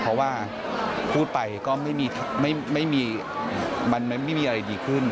เพราะว่าพูดไปก็ไม่มีอะไรดีขึ้น